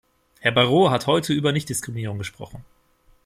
Herr Barrot hat heute über Nichtdiskriminierung gesprochen.